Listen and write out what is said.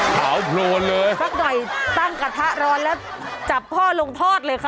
สักหน่อยตั้งกระทะร้อนแล้วจับพ่อลงทอดเลยค่ะ